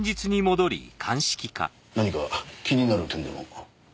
何か気になる点でも？